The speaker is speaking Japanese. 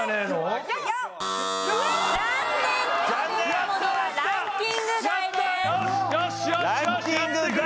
ランキング外！